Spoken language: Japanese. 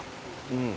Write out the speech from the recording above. うん。